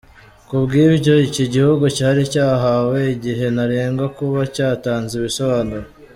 Ku bw’ibyo iki gihugu cyari cyahawe igihe ntarengwa kuba cyatanze ibisobanuro.